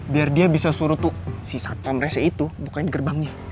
biar dia bisa suruh tuh si satpam resnya itu bukain gerbangnya